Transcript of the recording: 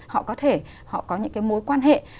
họ có thể họ có những cái mối quan hệ